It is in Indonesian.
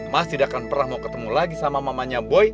mas tidak akan pernah mau ketemu lagi sama mamanya boy